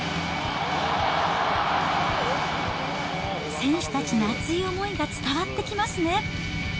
選手たちの熱い思いが伝わってきますね。